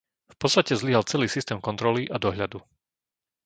V podstate zlyhal celý systém kontroly a dohľadu.